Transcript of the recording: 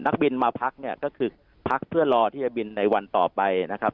นักบินมาพักเนี่ยก็คือพักเพื่อรอที่จะบินในวันต่อไปนะครับ